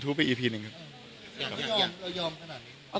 ของขวัญรับปริญญา